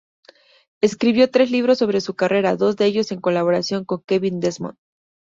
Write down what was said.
Escribió tres libros sobre su carrera, dos de ellos en colaboración con Kevin Desmond.